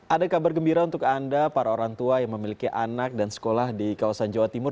ada kabar gembira untuk anda para orang tua yang memiliki anak dan sekolah di kawasan jawa timur